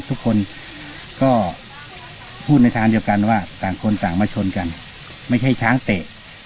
ทุกคนก็พูดในทางเดียวกันว่าต่างคนต่างมาชนกันไม่ใช่ช้างเตะ